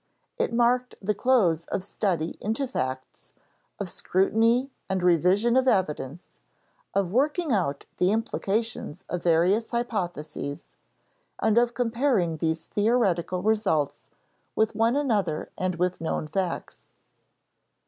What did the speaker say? It marked the close of study into facts, of scrutiny and revision of evidence, of working out the implications of various hypotheses, and of comparing these theoretical results with one another and with known facts.